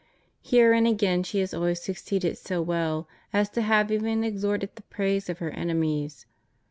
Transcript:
Herein again she has always succeeded so well as to have even extorted the praise of her enemies.